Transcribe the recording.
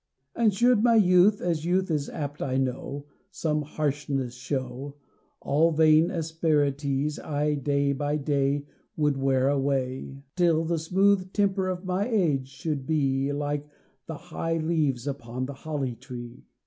And should my youth, as youth is apt, I know, Some harshness show, All vain asperities I day by day Would wear away, Till the smooth temper of my age should be Like the high leaves upon the Holly tree.